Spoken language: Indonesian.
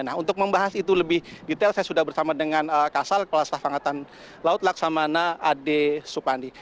nah untuk membahas itu lebih detail saya sudah bersama dengan kasal kepala staf angkatan laut laksamana ade supandi